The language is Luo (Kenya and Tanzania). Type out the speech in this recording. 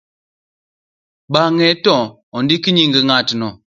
bang'e to ndik nying' ng'atno